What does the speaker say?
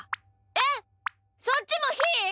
えっそっちもひー？